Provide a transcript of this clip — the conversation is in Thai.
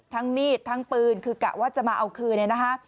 ทั้งมีดทั้งปืนคือกะว่าจะมาเอาคืน